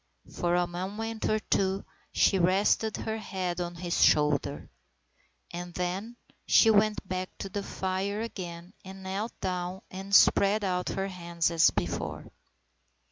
For a moment or two she rested her head on his shoulder. And then she went back to the fire again and knelt down and spread out her hands as before.